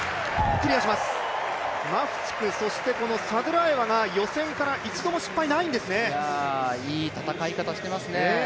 クリアします、マフチク、そしてこのサドゥラエワが予選から１度も失敗がないんですねいい戦い方してますね。